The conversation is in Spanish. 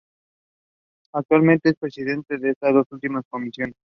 Actualmente es Presidente de esta dos últimas Comisiones.